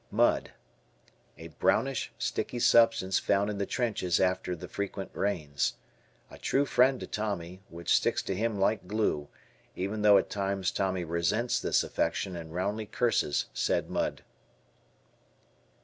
Mud. A brownish, sticky substance found in the trenches after the frequent rains. A true friend to Tommy, which sticks to him like glue, even though at times Tommy resents this affection and roundly curses said mud.